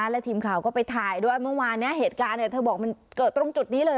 และทีมข่าวก็ไปถ่ายด้วยเมื่อวานเหตุการณ์เธอบอกมันเกิดตรงจุดนี้เลย